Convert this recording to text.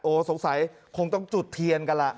สงสัยคงต้องจุดเทียนกันล่ะ